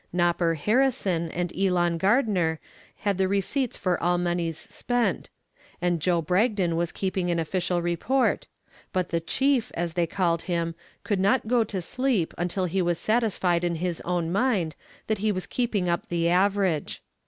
"Nopper" Harrison and Elon Gardner had the receipts for all moneys spent, and Joe Bragdon was keeping an official report, but the "chief," as they called him, could not go to sleep until he was satisfied in his own mind that he was keeping up the average.